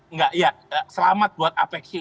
enggak ya selamat buat apeksi